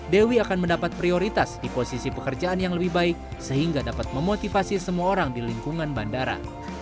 dewi akan mendapat prioritas di posisi pekerjaan yang lebih baik sehingga dapat memotivasi semua orang di lingkungan bandara